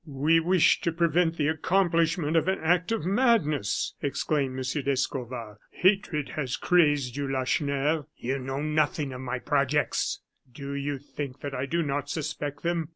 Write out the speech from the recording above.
"We wish to prevent the accomplishment of an act of madness!" exclaimed M. d'Escorval. "Hatred has crazed you, Lacheneur!" "You know nothing of my projects!" "Do you think that I do not suspect them?